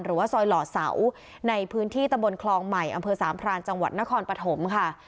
หรือว่าซอยหล่อเสาในพื้นที่ตะบนคลองใหม่อำเภอสามพรานจังหวัดนครปฐมค่ะ